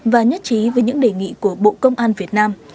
và nhất trí với những đề nghị của bộ công an việt nam